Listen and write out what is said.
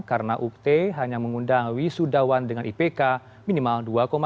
karena ut hanya mengundang wisudawan dengan ipk minimal dua tujuh